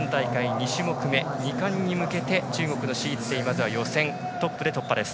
２種目め、２冠に向けて中国の史逸ていはまずは予選トップで突破です。